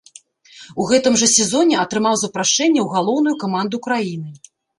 У гэтым жа сезоне атрымаў запрашэнне ў галоўную каманду краіны.